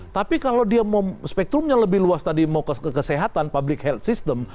tapi kalau dia mau spektrumnya lebih luas tadi mau ke kesehatan public health system